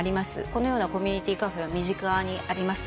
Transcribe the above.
このようなコミュニティー・カフェが身近にあります。